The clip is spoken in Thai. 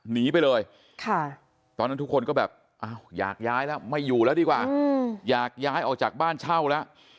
หนีไปเลยตอนนั้นทุกคนก็แบบอยากย้ายแล้วไม่อยู่แล้วดีกว่าอยากย้ายออกจากบ้านเช่าแล้ว